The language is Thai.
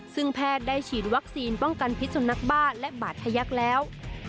ซึ่งแพทย์ได้ฉีดวัคซีนป้องกันพิษสุนัขบ้าและบาดทะยักแล้ว